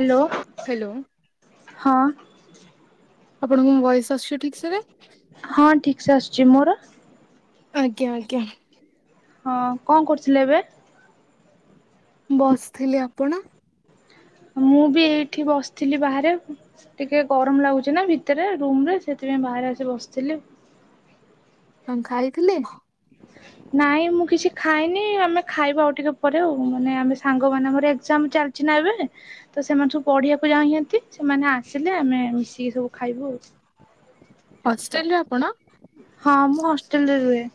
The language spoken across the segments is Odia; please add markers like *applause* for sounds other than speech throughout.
ହ୍ୟାଲୋ ହ୍ୟାଲୋ ହଁ। ଆପଣଙ୍କୁ ମୋ ଭଏସ୍ ଆସୁଛି ଠିକ ସେରେ? ଯେ ମୋର। ଆଜ୍ଞା ଆଜ୍ଞା। ହଁ କଣ କରୁଥିଲେ ଏବେ? ବସିଥିଲି ଆପଣ? ମୁଁ ବି ଏଇଠି ବସିଥିଲି ବାହାରେ ଟିକେ ଗରମ ଲାଗୁଛି ନା ଭିତରେ ରୁମରେ ସେଥି ଏଇନେ ବାହାରେ ଆସି ବସିଥିଲି । କଣ ଖାଇଥିଲେ? ନାଇଁ ମୁଁ କିଛି ଖାଇନି। ଆମେ ଖାଇବା ଆଉ ଟିକେ ପରେ ଆଉ ମାନେ ଆମେ ସାଙ୍ଗମାନେ ଆମର ଏକ୍ଜାମ ଚାଲିଛି ନା ଏବେ ତ ସେମାନେ ସବୁ ପଢିବାକୁ ଯାଇସନ୍ତି ସେମାନେ ଆସିଲେ ଆମେ ମିଶିକି ସବୁ ଖାଇବୁ ଆଉ। ହଷ୍ଟେଲ ରେ ଆପଣ? ହଁ ମୁଁ ହଷ୍ଟେଲ ରେ ରୁହେ।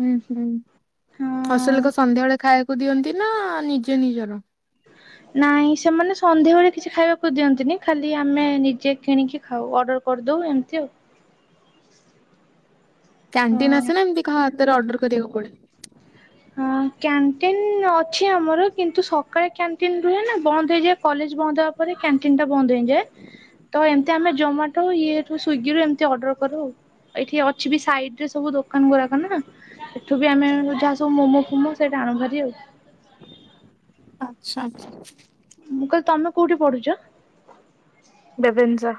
ହୁଁ ହୁଁ ହଷ୍ଟେଲ ରେ ହଁ। କଣ ସନ୍ଧ୍ୟାବେଳେ ଖାଇବାକୁ ଦିଅନ୍ତି ନା ନିଜେ ନିଜର? ନାଇଁ ସେମାନେ ସନ୍ଧ୍ୟାବେଳେ କିଛି ଖାଇବାକୁ ଦିଅନ୍ତିନି ଖାଲି ଆମେ ନିଜେ କିଣିକି ଖାଉ। କରି ଦବୁ ଏମିତି ଆଉ। କ୍ୟାଣ୍ଟିନ୍ ହଁ ଆସେ ନା ଏମିତି କାହା ହାତ ରେ ଅର୍ଡର କରିବାକୁ ପଡେ। ହଁ କ୍ୟାଣ୍ଟିନ ଅଛି ଆମର କିନ୍ତୁ ସକାଳେ କ୍ୟାଣ୍ଟିନ ରୁହେ ନା ବନ୍ଦ ହେଇଯାଏ କଲେଜ ବନ୍ଦ ତାପରେ କ୍ୟାଣ୍ଟିନ ଟା ବନ୍ଦ ହେଇଯାଏ ତ ଏମତି ଆମେ ଜମାଟୋ ଇଏ ରୁ ସ୍ଵିଗିରୁୁ ଏମତି ଅର୍ଡର କରୁ। ଏଇଠି ଅଛି ବି ସାଇଡ ରେ ସବୁ ଦୋକାନ ଗୁରାକ ନା ଏଠୁ ବି ଆମେ ଯା ସବୁ ମୋମୋ ଫମୋ ସେଇଟା ଆଣୁ ଭାରି ଆଉ। ଆଚ୍ଛା ଆଚ୍ଛା। ମୁଁ କହିଲି ତମେ କୋଉଠି ପଢୁଛ? ରେଭେନ୍ସା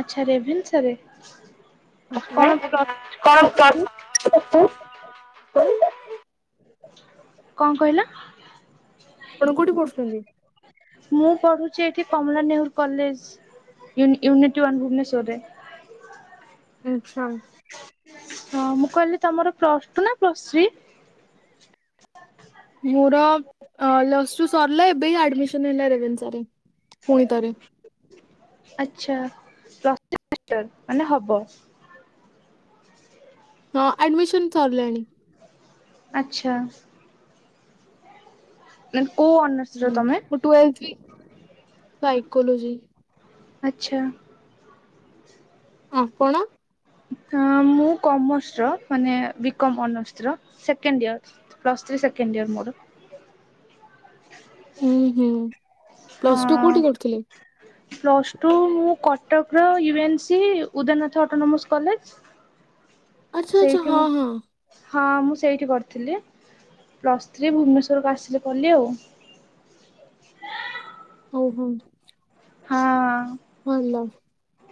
ଆଚ୍ଛା ରେଭେନ୍ସା ରେ। କଣ *unintelligible* କଣ କହିଲ? ଆପଣ କୋଉଠି ପଢୁଛନ୍ତି? ମୁଁ ପଢୁଛି ଏଠି Kamala Nehru college uni unit one ଭୁବନେଶ୍ଵରରେ। *inaudible* ଆଛା। ହଁ ମୁଁ କହିଲି ତମର ପ୍ଲସ ଟୁ ନା ପ୍ଲସ ଥ୍ରୀ? ମୋର ଲସୁ ସରିଲା ଏବେ ଆଡମିସନ ହେଲା ରେଭେନ୍ସା ରେ। ପୁଣି ଥରେ ଆଛା ପ୍ଲୁସ ଥ୍ରୀ ଫାର୍ଷ୍ଟ ଇଅର ମାନେ ହବ। ହଁ ଆଡମିଶନ୍ ସରିଲାଣି । ଆଚ୍ଛା। ନା ହୁଁ ମୁଁ ଟୁଏଲଥ ବି ସାଇକୋଲୋଜି। ଆଚ୍ଛା। ଆପଣ? ତ ମୁଁ କମର୍ସର ମାନେ ବି କମ୍ ଅନର୍ସଥର second year plus second year ମୋର। ହୁଁ ହୁଁ। ହଁ ପ୍ଲସ ଟୁ କୋଉଠି କରୁଥିଲେ? ପ୍ଲସ୍ ଟୁ ମୁଁ କ କଟକର ୟୁ ରେ N C Udayanath autonomous college. ଆଛା ଆଚ୍ଛା ସେଇଠି ହଁ ମୁଁ ହଁ। ହଁ ମୁଁ ସେଇଠି କରିଥିଲି ପ୍ଲସ୍ ଥ୍ରୀ ଭୁବନେଶ୍ୱରକୁ ଆସିଲି କଲି ଆଉ। *inaudible* ଓ ହଉ। ହଁ। ଭଲ।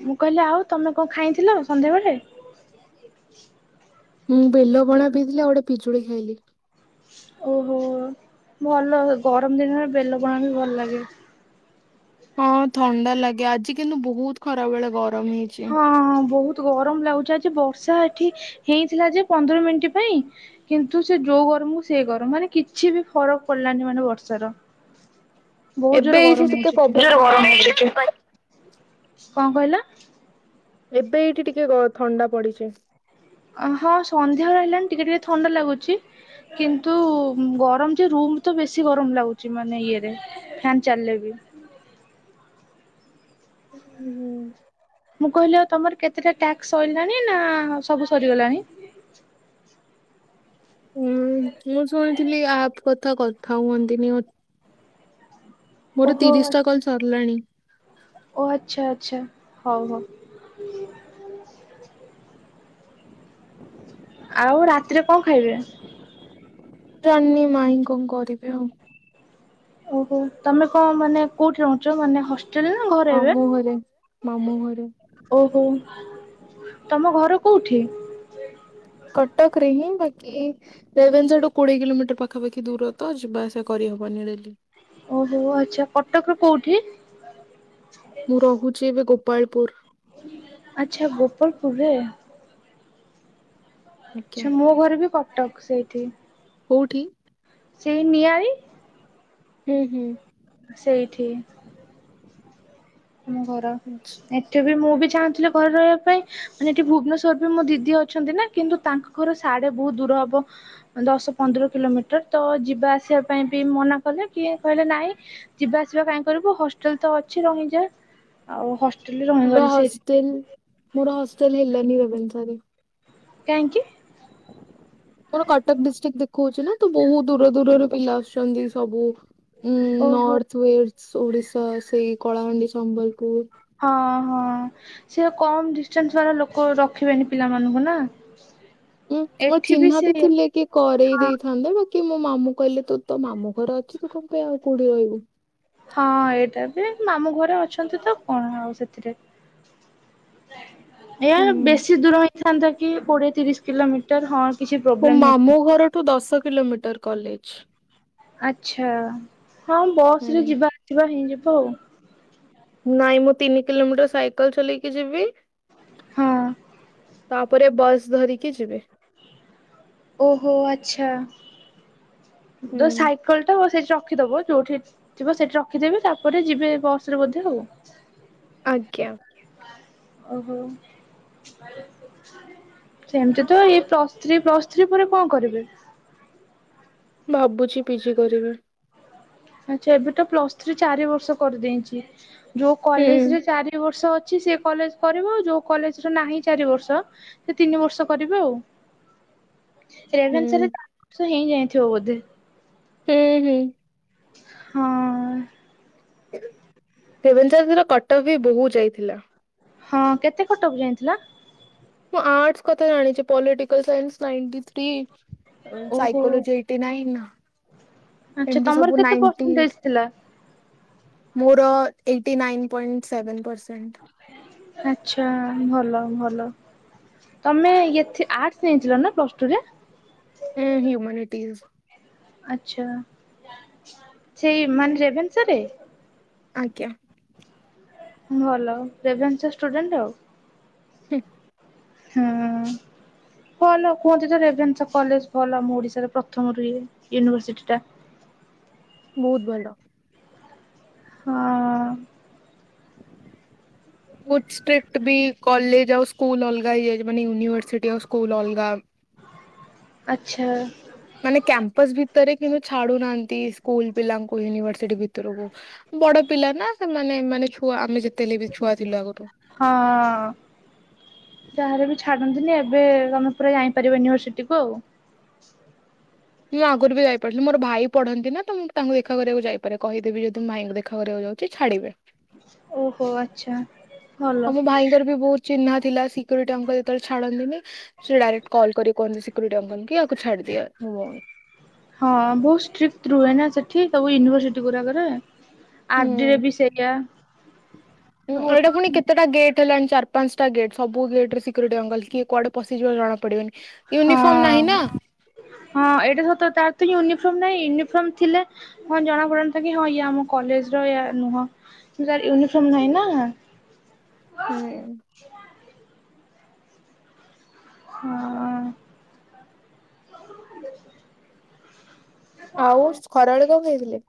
ମୁଁ କହିଲି ଆଉ ତମେ କଣ ଖାଇଥିଲ ସନ୍ଧ୍ୟାବେଳେ? ମୁଁ ବେଲ ପଣା ପିଇଥିଲି ଆଉ ଗୋଟେ ପିଜୁଳି ଖାଇଲି। ଓହୋ ଭଲ ଗରମ ଦିନରେ ବେଲ ପଣା ବି ଭଲ ଲାଗେ। ହଁ ଥଣ୍ଡା ଲାଗେ ଆଜି କିନ୍ତୁ ବହୁତ ଖରା ବେଳେ ଗରମ ହେଇଛି। ହଁ ବହୁତ। ଗରମ ଲାଗୁଛି ଆଜି ବର୍ଷା ଏଠି ହେଇଥିଲା ଯେ ପନ୍ଦର ମିନିଟ ପାଇଁ କିନ୍ତୁ ସେ ଯୋଉ ଇଏ ଗରମ କୁ ସିଏ ଗରମ ମାନେ କିଛି ବି ଫରକ ପଡିଲାନି ମାନେ ବର୍ଷାର। ବୋହୁତ ଏବେ ଜୋର ରେ ଏଇଠି ଗରମ ଟିକେ ହୋଉଚି ପବନ ଏଠି। କଣ କହିଲ? ଏବେ ଏଇଠି ଟିକେ ଗ ଥଣ୍ଡା ପଡିଚି। ହଁ ସନ୍ଧ୍ୟା ହେଲାଣି ଟିକିେ ଟିକେ ଥଣ୍ଡା ଲାଗୁଚି। କିନ୍ତୁ ଗରମ ଯେ ରୁମ ତ ବେଶୀ ଗରମ ଲାଗୁଚି ମାନେ ଇଏରେ ଫ୍ୟାନ ଚାଲିଲେ ବି। *inaudible* ଉଁ ହୁଁ। ମୁଁ କହିଲି ଆଉ ତମର କେତେଟା ଟାକ୍ସ ସ‌ଇଲାଣି ନା ସବୁ ସରିଗଲାଣି? ହୁଁ ମୁଁ ଶୁଣିଥିଲି ଆପ କଥା କଥା ହୁଅନ୍ତିନି। ମୋର ଓହୋ ତିରିଶ ଟା କଲ ଆଚ୍ଛା ସରିଲାଣି। ଓ ଆଚ୍ଛା ଆଚ୍ଛା ହୋଉ ହୋଉ। ଆଉ ରାତିରେ କଣ ଖାଇବେ? ଜାଣିନି ମାଇଁ କଣ କରିବେ ଆଉ। ଓହୋ ତମେ କଣ ମାନେ କୋଉଠି ରହୁଚ? ମାନେ ହ ଷ୍ଟେଲରେ ନା ଘରେ ଏବେ? ମାମୁଁ ଘରେ ମାମୁଁ ଘରେ। ଓହୋ। ତମ ଘର କୋଉଠି? କଟକରେ ହିଁ ବାକି ରେଭେନ୍ସାଠୁ କୋଡିଏ କିଲୋମିଟର ପାଖାପାଖି ଦୂର ତ ଯିବା ଆସିବା କରିହବନି ଡେଲି। ଓହୋ ଆଚ୍ଛା କଟକର କୋଉଠି? ମୁଁ ରହୁଚି ଏବେ ଗୋପାଳପୁର। ଆଚ୍ଛା ଗୋପଳପୁରରେ। ଆଜ୍ଞା ଆଚ୍ଛା ମୋ ଘର ବି କଟକ ସେଇଠି। କୋଉଠି? ସେଇ ନିଆଳି। ହୁଁ ହୁଁ। ସେଇଠି ଆମ ଘର ଆଚ୍ଛା। ଏବେ ଏଠି ବି ମୁଁ ବି ଚାହୁଁଥିଲେ ଘରେ ମୁଁ ରହିବା ବି ଚାହୁଁଥିଲି ପାଇଁ ଘରେ ରହିବା ମାନେ ପାଇଁ ଏଠି ହେଲେ ଭୁବନେଶ୍ୱରରେ ବି ମୋ ଦିଦି କି ଭୁବନେଶ୍ୱରରେ ଅଛନ୍ତି ନା କିନ୍ତୁ ମୋ ତାଙ୍କ ଘର ଦିଦି ଅଛନ୍ତି ନା କିନ୍ତୁ ସାଡେ ବୋହୁତ ଦୂର। ତାଙ୍କର ହବ ସାଡେ ବହୁତ ଦୂର ହବ। ଦଶ ପନ୍ଦର ଦଶ କିଲୋମିଟର ପନ୍ଦର ତ କିଲୋମିଟର ଯିବା ତ ଆସିବା ପାଇଁ ଯିବା ବି ମନା କଲେ କି କଲେ ସିଏ କହିଲେ ନାଇଁ ଯିବା ଆସିବା କାଇଁ କରିବୁ କହିଲେ ନାହିଁ। ହଷ୍ଟେଲ ତ ଅଛି ରହିଯା ଆଉ ହଷ୍ଟେ ମୋର ହଷ୍ଟେଲ ମୋର ହଷ୍ଟେଲ ହେଲାନି ରେଭେନ୍ସା ରେ । କାହିଁକି? ମୋର କଟକ ଡିଷ୍ଟିକ ଦେଖୁଚି ନା ତ ବୋହୁତ ଦୂର ଦୂରରୁ ପିଲା ଆସୁଚନ୍ତି ସବୁ ଉଁ ଓହୋ ନର୍ଥ ୱେର୍ଥ ଓଡିଶା ସେଇ କଳାହାଣ୍ଡି ସମ୍ବଲପୁର। ହଁ ହଁ ସିଏ କମ ଡିଷ୍ଟାନ୍ସ ବାଲା ଲୋକ ରଖିବେନି ପିଲାମାନଙ୍କୁ ନା? ଉଁ ଉଁ ଏଠି ଚିହ୍ନା ସେ ବି ଥିଲେ ବି କରେଇ ହଁ ଦେଇଥାନ୍ତେ ବା କି ମୋ ମାମୁଁ କହିଲେ ତୁ ତୋ ମାମୁଁ ଘର ଅଛି ତୁ କଣ ପାଇଁ ଆଉ କୋଉଠି ରହିବୁ। ହଁ ଏଇଟା ବି ମାମୁଁ ଘରେ ଅଛନ୍ତି ତ କଣ ଆଉ ସେଥିରେ। ଏଇଆ ବେଶୀ ଦୂର ହେଇଥାନ୍ତା କି କୋଡିଏ ତିରିଶ କିଲୋମିଟର ହଁ। କିଛି ମୋ ପ୍ରୋବ୍ଲେମ ମାମୁଁ ହେଇଥାନ୍ତା। ଘରଠୁ ଦଶ କିଲୋମିଟର କଲେଜ। ଆଚ୍ଛା ହଁ ବସ୍ ହୁଁ। ରେ ଯିବା ଆସିବା ହେଇଯିବ ଆଉ। ନାଇଁ ମୁଁ ତିନି କିଲୋମିଟର ସାଇକେଲ ଚଲେଇକି ଜିବି। ହଁ ତାପରେ ବସ୍ ଧରିକି ଯିବେ। ଓହୋ ଆଚ୍ଛା ହୁଁ। ଦ ସାଇକେଲତ ସେ ଚ ରଖିଦବ ଯୋଉଠି ଥିବ ସେଠି ରଖିଦେବେି ତାପରେ ଯିବେ ବସ୍ ରେ ବୋଧେ ଆଉ। ଆଜ୍ଞା। ଓହୋ। ସେମିତି ତ ଏଇ ପ୍ଲସଥ୍ରୀ ପ୍ଲସଥ୍ରୀ ପରେ କଣ କରିବେ? ଭାବୁଚି ପିଜି କରିବି। ଆଛା ଏବେ ତ ପ୍ଲସ ଥ୍ରୀ ଚାରି ବର୍ଷ କରିଦେଇଛି। ଯୋଉ ହୁଁ। କଲେଜ ରେ ଚାରି ବର୍ଷ ଅ ଛି ସେ କଲେଜ କରିବ, ଯୋଉ କଲେଜର ନାହିଁ ଚାରି ବର୍ଷ ସେ ତିନି ବର୍ଷ କରିବେ ଆଉ। ରେଭେନ୍ସା ହୁଁ। ରେ ଚାରିବର୍ଷ ହେଇ ଯାଇଥିବ ବୋଧେ ହୁଁ ହୁଁ। ହଁ। ରେଭେନ୍ସା କଟପ୍ ବି ବୋହୁ ଯାଇଥିଲା। ହଁ କେତେ କଟପ ଯାଇଥିଲା। ମୁଁ ଆର୍ଟସ କଥା ଜାଣିଛି ପଲିଟିକାଲସାଇନ୍ସ ନାଇଟି ଥ୍ରୀ। ଓହୋ ସାାଇକୋଲୋଜି ଏଇଟି ନାଇନ୍ ଆଚ୍ଛା ଏମିତି ତମର ସବୁ କେତେ ନାଇଣ୍ଟି ପରସେଣ୍ଟେଜ ଥିଲା? ମୋର eighty nine point seven percent. ଆଛା ଭଲ ଭଲ ତମେ ଏଥି ଆର୍ଟ ନେଇଥିଲ ନା ପ୍ଲସ ଟୁରେ? ହଁ ହ୍ୟୁମନିଟିସ୍ *inaudible* ଆଛା ସେଇ ମାନେ ରେଭେନ୍ସାରେ? ଆଜ୍ଞା ଭଲ ରେଭେନ୍ସା ଷ୍ଟୁଡେଣ୍ଟ୍ ଆଉ ହ ହଁ ଭଲ କୁହନ୍ତି ତ ରେଭେନ୍ସା କଲେଜ ଭଲ ଆମ ଓଡିଶାରେ ପ୍ରଥମ ରୁହେ ୟୁନିଭର୍ସିଟିଟା । *inaudible* ବହୁତ ଭଲ ହଁ ଷ୍ଟ୍ରିକ୍ଟ୍ ବି କଲେଜ ଆଉ ସ୍କୁଲ୍ ଅଲଗା ହେଇଯାଇଛି ମାନେ ୟୁନିଭର୍ସିଟି ଆ ସ୍କୁଲ ଅଲଗା ଆଚ୍ଛା ମାନେ କ୍ୟାମ୍ପସ ଭିତରେ, କିନ୍ତୁ ଛାଡୁନାହାନ୍ତି ସ୍କୁଲ ପିଲାଙ୍କୁ ୟୁନିଭରସିଟି ଭିତରକୁ ବଡ ପିଲା ନା ସେମାନେ ମାନେ ଛୁଆ ଆମେ ଯେତେଲେ ବି ଛୁଆ ଥିଲୁ ଆଗରୁ ହଁ ଯାହାହେଲେ ବି ଏବେ ତମେ ପୁରା ଯାଇପାର ୟୁନିଭର୍ସିଟି କୁ ଆଉ ମୁଁ ଆଗରୁ ବି ଯାଇ ପାରୁଥିଲି ମୋର ଭାଇ ପଢନ୍ତି ନା ତ ମୁଁ ତାଙ୍କୁ ଦେଖା କରିବାକୁ ଯାଇପାରେ, କହିଦେବି ଯଦି ତ ମୁ ଭାଇଙ୍କୁ ଦେଖା କରିବାକୁ ଛାଡିବେ ଓହୋ ଆଚ୍ଛା ଭଲ ଆମ ଭାଇଙ୍କର ବି ବହୁତ ଚିହ୍ନା ଥିଲା ସିକ୍ୟୁରିଟି ଅଙ୍କର ଯେତେବେଳେ ଛାଡନ୍ତିନି ସେ ଡାଇରେକ୍ଟ କଲ୍ କରିିକି କୁହନ୍ତି ସିକ୍ୟୁରିଟି ଅଙ୍କଲ କି ଆକୁଛାଡିଦିଆ ମୁଁ ଭଉନି ହଁ ବହୁତ୍ ଷ୍ଟ୍ରିକଟ୍ ରୁହେ ନା ସେଠି ସବୁ ୟୁନିଭରସିଟି ଗୁଡାକରେ ଆର୍ଡିରେ ବି ସେଇା ହୁଁ ଏଇଟା ପୁଣି କେତେଟା ଗେଟ୍ ହେଲାଣି ଚାର୍ ପାଞ୍ଚଟା ଗେଟ୍ ସବୁ ଗେଟ ରେ ସ୍ୟୁକୁରିଟି ଅକ଼଼ଂଲ କିଏ କୁଆଡେ ପଶିଯିବ ଜଣା ପଡିବନି ହଁ ୟୁନିଫର୍ମ ନାହିଁ ନା ହଁ ଏଇଟା ସତ ତ ତ ୟୁନିଫର୍ମ ନହିଁ ୟୁନିଫର୍ମ ଥିଲେ ହଁ ଜଣା ପଡନ୍ତା କି ହଁ ୟା ଆମ କଲେଜ ର ନୁହଁ ତାର ୟୁନିଫର୍ମ ନହିଁ ନା ହୁଁ ହଁ *inaudible* ଆଉ ଖରାବେଳ କନ ଖାଇଥିଲେ?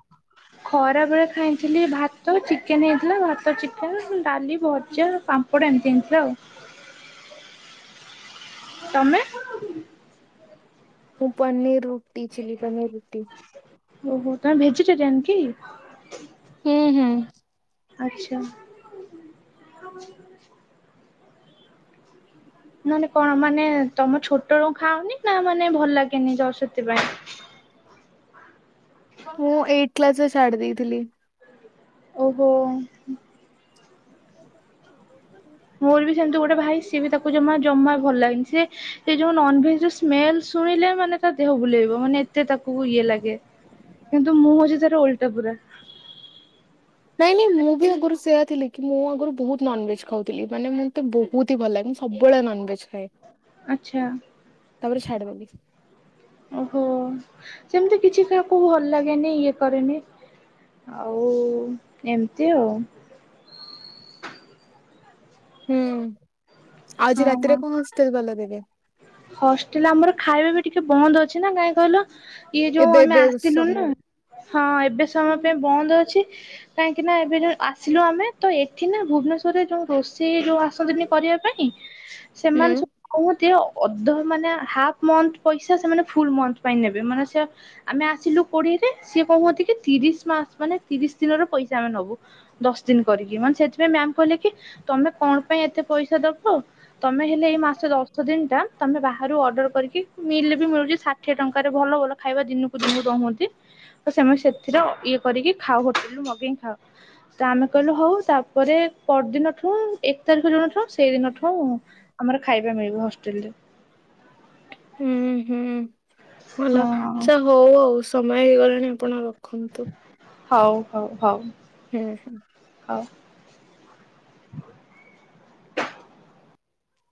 ଖରାବେଳେ ଖାଇଥିଲି ଭାତ ଚିକେନ ହେଇଥିଲା ଭାତ, ଚିକେନ, ଡାଲି, ଭଜା, ପାମ୍ କଟେ ଏମିତି ଜଣିଥିଲା ଆଉ ତମେ *unintelligible* ମୁଁ ପନିର ରୁଟି ଚିଲି ପନିର ରୁଟି ଓହୋ ତମେ ଭେଜିଟେରିିଆନ୍ କି? ହୁଁ ହୁଁ ଆଚ୍ଛା ନାନେ କଣ ମାନେ ତମ ଛୋଟ ରଳୁ ଖାଉନି ନା ମାନେ ଭଲ ଲାଗେନି ଯ ସେଥିପାଇ ମୁଁ ଏଇଟ୍ କ୍ଲାସରେ ଛାଡି ଦେଇଥିଲି। ଓହୋ। ମୋର ବି ସେମିତି ଗୋଟେ ଭାଇ ସିଏ ବି ତାକୁ ଜମା। ଜମା ଭଲ ଲାଗେନି ସେ ଏ ଯୋଉ ନନ୍ଭେଜର ସ୍ମେଲ ଶୁଣିଲେ ମାନେ ତା ଦେହ ବୁଲେଇବ ମାନେ ଏତେ ତା କୁ ଇଏ ଲାଗେ କିନ୍ତୁ ମୁଁ ହଉଛି ତାର ଓଲଟା ପୁରା। ନାଇଁ ନାଇଁ ମୁଁ ବି ଆଗରୁ ସେୟା ଥିଲି କି ମୁଁ ଆଗରୁ ବହୁତ ନନଭେଜ ଖାଉଥିଲି ମାନେ ମୋତେ ବହୁତ ହି ଭଲ ଲାଗେ। ସବୁବେଳେ ନନଭେଜ। ଖାଏ ଆଚ୍ଛା। ଛାଡ଼ିଦେଲି। ଓହୋ ସେମିତି କିଛି କାହାକୁ ଭଲ ଲାଗେନି ଇଏ କରେନି। ଆଉ ଏମତି ଆଉ। ହୁଁ ଆଉ ଆଜି ହଁ। ରାତିରେ କଣ ହଷ୍ଟେଲ ବାଲା ଦେବେ? ହଷ୍ଟେଲ ଆମର ଖାଇବା ବି ଟିକେ ବନ୍ଦ ଅଛି ନା କାଇଁ କହିଲ। ଇଏ ଯୋଉ ଏବେ ଆମେ ଏବେ ଆସିଲୁନୁ। ସମୟ ହଁ ଏବେ ସମୟ ପାଇଁ ବନ୍ଦ ଅଛି କାହିଁକି ନା ଏବେ ଯୋଉଁ ଆସିଲୁ ଆମେ ତ ଏଠି ନା ଭୁବନେଶ୍ୱ ରରେ ଯୋଉଁ ରୋଷେଇ ଯୋଉ ଆସନ୍ତିନି କରିବା ପାଇଁ ହୁଁ ସେମାନେ ସବୁ କହନ୍ତି ଅ ଅଧ ମାନେ ହାଫ ମନ୍ଥ ପଇସା ସେମାନେ ଫୁଲ ମନ୍ଥ ପାଇଁ ନେବେ ମାନେ ସେ ଆମେ ଆସିଲୁ ପୁଣି। ସିଏ କହୁଛନ୍ତି କି ତିରିଶ ମାସ ମାନେ ତିରିଶ ଦିନର ପଇସା ଆମେ ନବୁ ଦଶ ଦିନ କରିକି ମାନେ ମ୍ୟାମ କହିଲେ କି ତମେ କଣ ପାଇଁ ଏତେ ପଇସା ଦବ ତମେ ହେଲେ ଏଇ ମାସ ଦଶ ଦିନ ଟା। ତମେ ବାହାରୁ ଅର୍ଡର କରିକି ମିଲ ବି ମିଳୁଛି ଷାଠିଏ ଟଙ୍କାରେ ଭଲ ଭଲ ଖାଇବା ଦିନକୁ ଦିନକୁ ଦଉଛନ୍ତି। ତ ସେମା ସେଥିରେ ଅ ଇଏ କରିକି ଖାଉ ହୋଟେଲୁ ମଗେଇ ଖାଉ। ତ ଆମେ କହିଲୁ ହଉ ତାପରେ ପରଦିନଠୁ ଏକ ତାରିଖ ଯୋଉ ଦିନଠୁ ସେଇଦିନଠୁ। ଆମର ଖାଇବା ମିଳିବ ହଷ୍ଟେଲ ରେ। ହୁଁ ହୁଁ ଭଲ ହଁ ହଁ ଆଚ୍ଛା ହଉ ଆଉ ସମୟ ହେଇଗଲାଣି ଆପଣ ର ରଖନ୍ତୁ। ହଉ ହଉ ହଉ। ହୁଁ ହୁଁ। ହଉ।